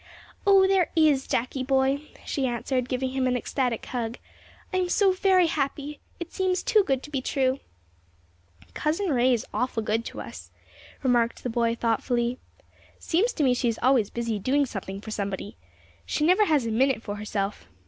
"O, there is, Jackie boy," she answered, giving him an ecstatic hug. "I am so very happy! It seems too good to be true." "Cousin Ray is awful good to us," remarked the boy, thoughtfully. "Seems to me she is always busy doing something for somebody. She never has a minute for herself.